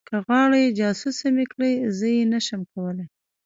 که غواړې جاسوسه مې کړي زه یې نشم کولی